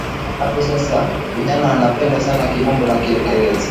Apa sasa vijana wanapenda sana kimombo na kingereza